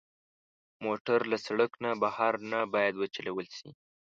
موټر له سړک نه بهر نه باید وچلول شي.